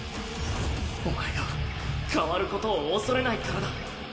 お前が変わる事を恐れないからだ。